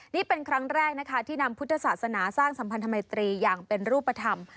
นี่เป็นครั้งแรกนะคะที่นำพุทธศาสนาสร้างสัมพันธมัยตรีอย่างเป็นรูปธรรม